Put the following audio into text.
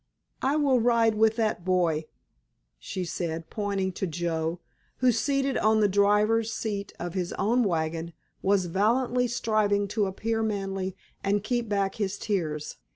"I will ride with that boy," she said, pointing to Joe, who, seated on the driver's seat of his own wagon, was valiantly striving to appear manly and keep back his tears.